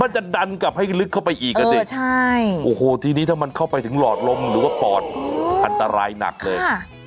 จะดันกลับให้ลึกเข้าไปอีกอ่ะดิใช่โอ้โหทีนี้ถ้ามันเข้าไปถึงหลอดลมหรือว่าปอดอันตรายหนักเลย